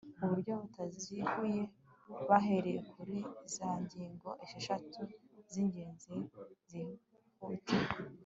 uburyo butaziguye bahereye kuri za ngingo esheshatu z'ingenzi zihutirwa